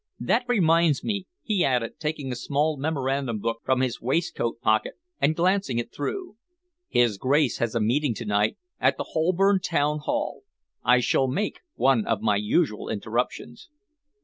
That reminds me," he added, taking a small memorandum book from his waistcoat pocket and glancing it through. "His Grace has a meeting to night at the Holborn Town Hall. I shall make one of my usual interruptions."